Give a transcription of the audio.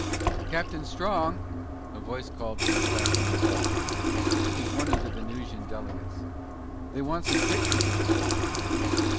"Captain Strong!" A voice called from the platform above. It was one of the Venusian delegates. "They want some pictures of you!"